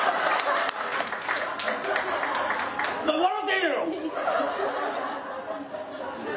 てんやろ！